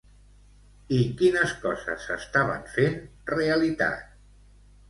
I quines coses s'estaven fent realitat?